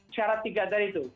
syarat tiga dari itu